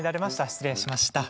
失礼しました。